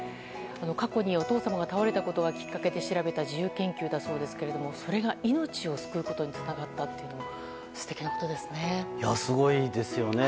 過去に、お父様が倒れたことがきっかけで調べた自由研究だそうですがそれが命を救うことにつながったというのは素敵なことですね。